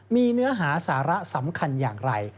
มีเนื้อหาสาระสำคัญอย่างไร